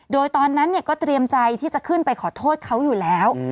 โดยตอนนั้นก็เตรียมใจที่จะขึ้นไปขอโทษเขาอยู่แล้ว